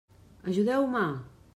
Ajudeu-me!